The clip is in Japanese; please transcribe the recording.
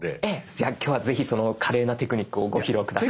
じゃあ今日はぜひその華麗なテクニックをご披露下さい。